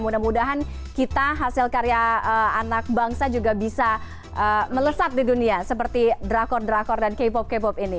mudah mudahan kita hasil karya anak bangsa juga bisa melesat di dunia seperti drakor drakor dan k pop k pop ini